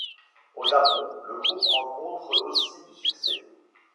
Au Japon, le groupe rencontre aussi du succès.